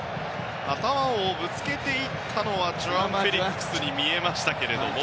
頭をぶつけていったのはジョアン・フェリックスに見えましたけれども。